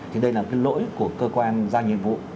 thì đây là cái lỗi của cơ quan giao nhiệm vụ